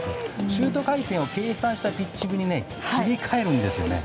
シュート回転を計算したピッチングに切り替えるんですよね。